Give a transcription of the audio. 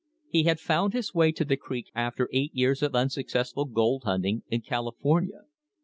He had found his way to the creek after eight years of unsuccessful gold hunting in California.